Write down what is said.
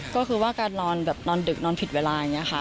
ก็คือว่าการนอนแบบนอนดึกนอนผิดเวลาอย่างนี้ค่ะ